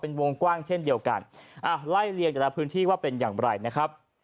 เป็นวงกว้างเช่นเดียวกันอ่าไล่เลียงแต่ละพื้นที่ว่าเป็นอย่างไรนะครับ